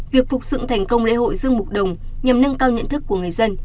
việc phục dựng thành công lễ hội giữ mục đồng nhằm nâng cao nhận thức của người dân